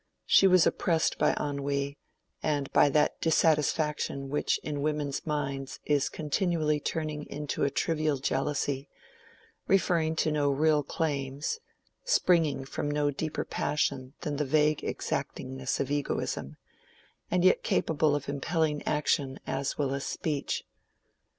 She was oppressed by ennui, and by that dissatisfaction which in women's minds is continually turning into a trivial jealousy, referring to no real claims, springing from no deeper passion than the vague exactingness of egoism, and yet capable of impelling action as well as speech.